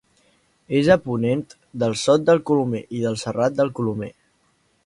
És a ponent del Sot del Colomer i del Serrat del Colomer.